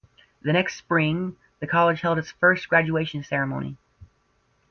The next Spring, the college held its first graduation ceremony.